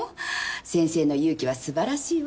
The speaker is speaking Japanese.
先生の勇気は素晴らしいわ。